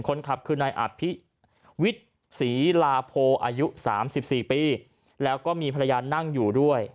คนขับคือนายอภิวิทย์ศรีลาโพอายุ๓๔ปีแล้วก็มีภรรยานั่งอยู่ด้วย